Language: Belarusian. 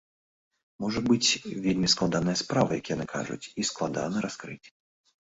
Можа быць, вельмі складаная справа, як яны кажуць, і складана раскрыць.